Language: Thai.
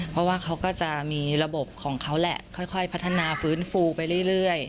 เพราะว่าเขาก็จะมีระบบของเขาแหละค่อยพัฒนาฟื้นฟูไปเรื่อย